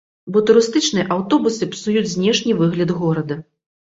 Бо турыстычныя аўтобусы псуюць знешні выгляд горада.